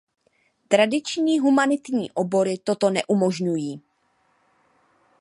Tradiční humanitní obory toto neumožňují.